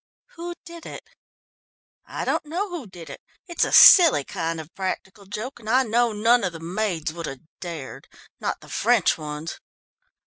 "Who did it?" "I don't know who did it. It's a silly kind of practical joke, and I know none of the maids would have dared, not the French ones."